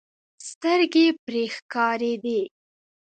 سترګې پرې ښکارېدې.